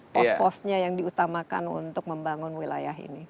post postnya yang diutamakan untuk membangun wilayah ini